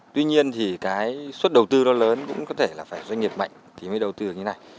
tuy nhiên thì cái suất đầu tư nó lớn cũng có thể là phải doanh nghiệp mạnh thì mới đầu tư được như này